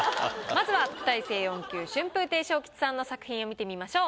まずは特待生４級春風亭昇吉さんの作品を見てみましょう。